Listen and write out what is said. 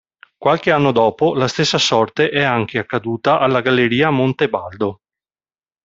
Qualche anno dopo, la stessa sorte è anche accaduta alla galleria Monte Baldo.